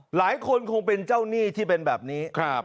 หลายคนคงเป็นเจ้าหนี้ที่เป็นแบบนี้